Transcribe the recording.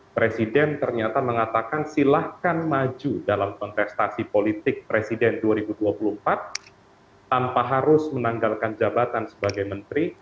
presiden ternyata mengatakan silahkan maju dalam kontestasi politik presiden dua ribu dua puluh empat tanpa harus menanggalkan jabatan sebagai menteri